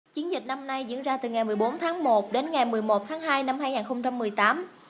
chiến dịch năm nay diễn ra từ ngày một mươi bốn tháng một đến ngày một mươi một tháng hai năm hai nghìn một mươi tám